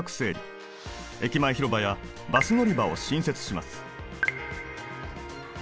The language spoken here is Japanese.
駅前広場やバス乗り場を新設します